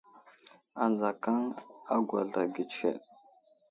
Adzakaŋ a ghwazl age tsəhəd.